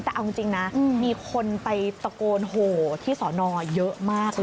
แต่เอาจริงนะมีคนไปตะโกนโหที่สอนอเยอะมากเลย